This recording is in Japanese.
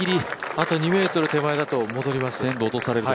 あと２ｍ手前だと戻りますね。